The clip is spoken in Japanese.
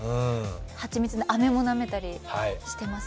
蜂蜜のあめもなめたりしてます。